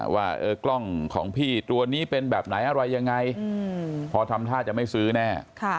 ว่ากล้องของพี่ตัวนี้เป็นแบบไหนอะไรยังไงพอทำท่าจะไม่ซื้อแน่